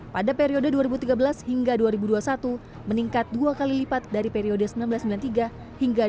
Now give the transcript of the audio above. pada periode dua ribu tiga belas hingga dua ribu dua puluh satu meningkat dua kali lipat dari periode seribu sembilan ratus sembilan puluh tiga hingga dua ribu dua puluh